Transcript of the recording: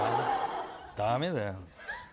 ダメだよ。